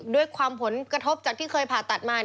ด้วยความผลกระทบจากที่เคยผ่าตัดมา